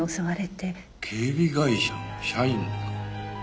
警備会社の社員か。